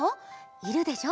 いるでしょ？